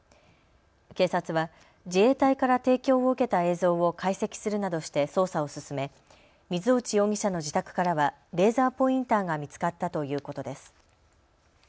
警察は自衛隊から提供を受けた映像を解析するなどして捜査を進め水落容疑者の自宅からはレーザーポインターが見つかったということです。